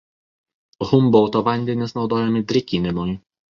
Humbolto vandenys naudojami drėkinimui.